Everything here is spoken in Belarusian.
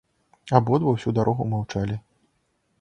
Абодва ўсю дарогу маўчалі.